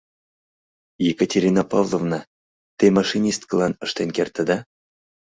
— Екатерина Павловна, те машинисткылан ыштен кертыда?